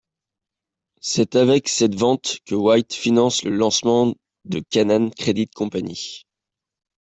C'est avec cette vente que White finance le lancement de Canam Credit Company.